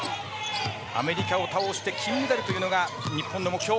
アメリカを倒して金メダルというのが日本の目標。